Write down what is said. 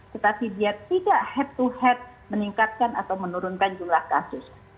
tetapi dia tidak head to head meningkatkan atau menurunkan jumlah kasus